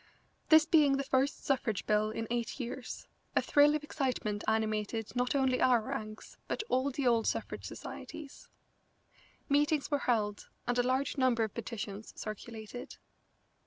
This being the first suffrage bill in eight years, a thrill of excitement animated not only our ranks but all the old suffrage societies. Meetings were held, and a large number of petitions circulated.